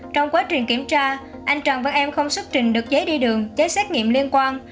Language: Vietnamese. trong quá trình kiểm tra anh trần văn em không xuất trình được giấy đi đường giấy xét nghiệm liên quan